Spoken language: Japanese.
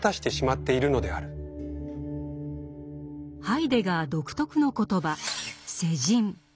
ハイデガー独特の言葉「世人」。